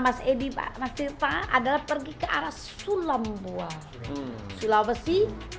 mas edi mas tirta adalah pergi ke arah sulawesi